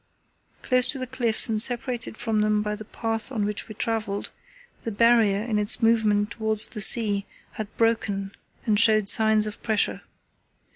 Close to the cliffs and separated from them by the path on which we travelled, the Barrier in its movement towards the sea had broken and showed signs of pressure.